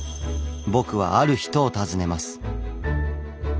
僕はある人を訪ねます。